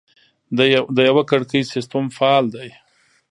د یوه کړکۍ سیستم فعال دی؟